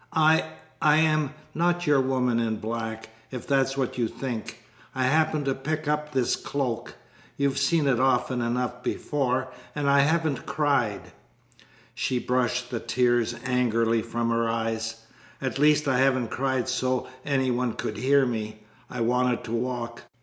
I I am not your woman in black, if that's what you think. I happened to pick up this cloak. You've seen it often enough before. And I haven't cried." She brushed the tears angrily from her eyes. "At least I haven't cried so any one could hear me. I wanted to walk.